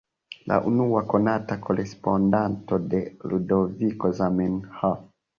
La unua konata korespondanto de Ludoviko Zamenhof.